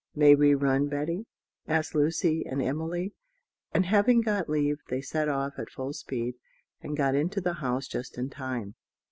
"May we run, Betty?" asked Lucy and Emily; and having got leave, they set off at full speed, and got into the house just in time.